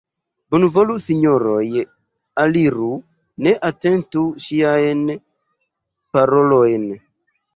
Bonvolu, sinjoroj, aliru, ne atentu ŝiajn parolojn!